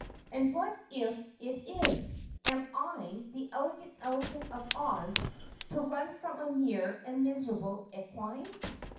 "And what if it is? Am I, the Elegant Elephant of Oz, to run from a mere and miserable equine?"